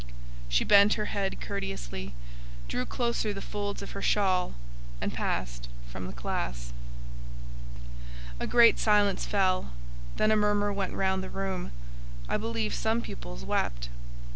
She bent her head courteously, drew closer the folds of her shawl, and passed from the classe. A great silence fell: then a murmur went round the room: I believe some pupils wept.